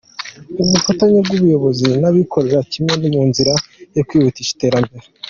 Ubufatanye bw’Ubuyobozi n’Abikorera nk’imwe mu nzira yo kwihutisha iterambere